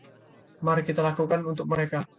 Mari kita lakukan untuk mereka.